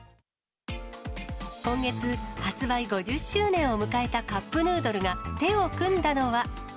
今月、発売５０周年を迎えたカップヌードルが、手を組んだのは。